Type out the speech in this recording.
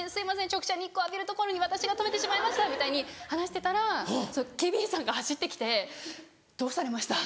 直射日光浴びる所に私が止めてしまいました」みたいに話してたら警備員さんが走って来て「どうされました？」